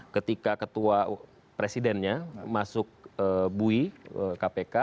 ketika ketua presidennya masuk bui kpk